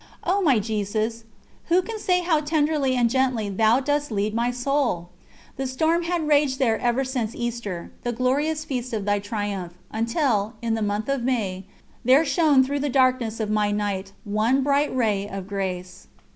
O my Jesus, who can say how tenderly and gently Thou dost lead my soul! The storm had raged there ever since Easter, the glorious feast of Thy triumph, until, in the month of May, there shone through the darkness of my night one bright ray of grace.